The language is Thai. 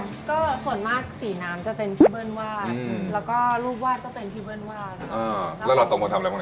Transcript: ส่วนมากสีน้ำจะเป็นที่เมื่อนวาดแล้วก็รูปวาดก็เป็นที่เมื่อนวาด